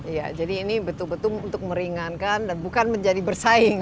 iya jadi ini betul betul untuk meringankan dan bukan menjadi bersaing